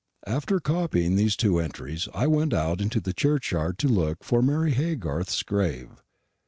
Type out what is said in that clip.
After copying these two entries, I went out into the churchyard to look for Mary Haygarth's grave.